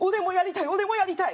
「俺もやりたい！